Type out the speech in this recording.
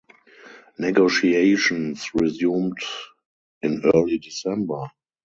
Negotiations resumed in early December.